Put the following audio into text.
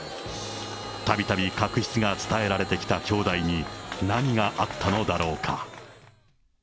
たびたび確執が伝えられてきた兄弟に、何があったのだろうか。